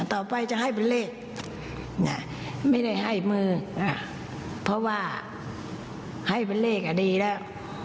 ต่อไปจะให้เป็นเลขไม่ได้ให้มือเพราะว่าให้เป็นเลขอ่ะดีแล้ว